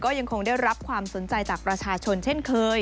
ยังคงได้รับความสนใจจากประชาชนเช่นเคย